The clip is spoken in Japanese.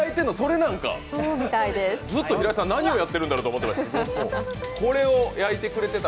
ずっと平井さん、何をやってるんだろうと思ってた。